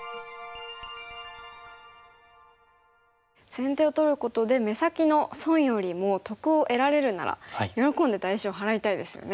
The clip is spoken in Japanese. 先手を取ることで目先の損よりも得を得られるなら喜んで代償払いたいですよね。